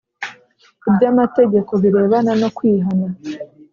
iby amategeko birebana no kwihana